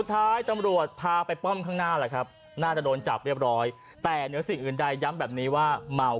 ถ้าเราไม่ชนกับเขาคือคุยก้าบี่แล้ว